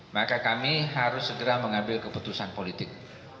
maka kami harus segera mengambil keputusan politik